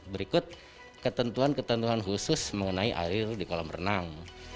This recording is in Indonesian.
berikut ketentuan ketentuan khusus mengenai air di kolam renang